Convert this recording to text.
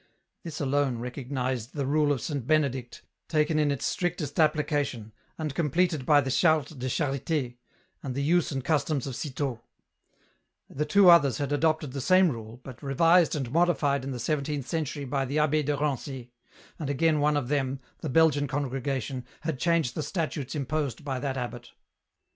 This alone recognized the rule of SrJnt Benedict, taken in its strictest application, and completed by the Charte de Charity, and the use and customs of Citeaux ; the two others had adopted the same rule, bjt revised and modified in the seventeenth century by the Abb^ de Ranc^, and again one of them, the Belgian congregation, had changed the statutes imposed by that abbot. 114 EN ROUTE.